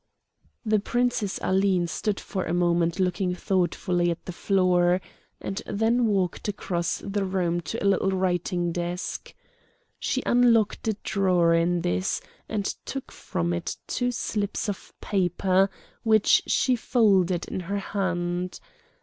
The Princess Aline stood for a moment looking thoughtfully at the floor, and then walked across the room to a little writing desk. She unlocked a drawer in this and took from it two slips of paper, which she folded in her hand.